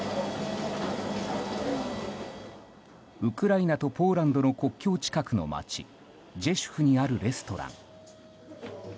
ウクライナとポーランドの国境近くの町ジェシュフにあるレストラン。